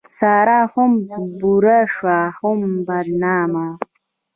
سارا هم بوره شوه او هم بدنامه.